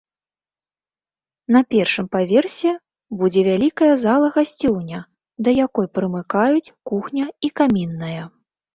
На першым паверсе будзе вялікая зала-гасцёўня, да якой прымыкаюць кухня і камінная.